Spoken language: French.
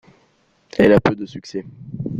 Elle a peu de succès.